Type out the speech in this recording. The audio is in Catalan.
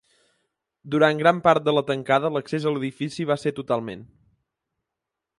Durant gran part de la tancada, l’accés a l’edifici va ser totalment.